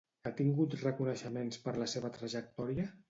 Ha tingut reconeixements per la seva trajectòria?